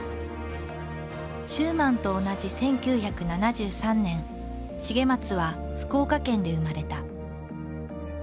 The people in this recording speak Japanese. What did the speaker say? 中馬と同じ１９７３年重松は福岡県で生まれた。